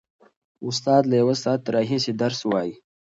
استاد له یوه ساعت راهیسې درس وايي.